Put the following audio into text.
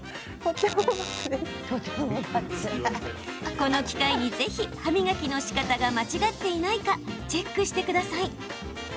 この機会にぜひ歯磨きのしかたが間違っていないかチェックしてください。